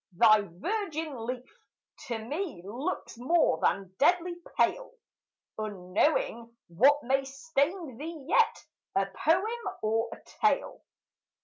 thy virgin leaf To me looks more than deadly pale, Unknowing what may stain thee yet, A poem or a tale.